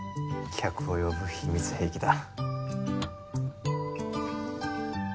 客を呼ぶ秘密兵器だ。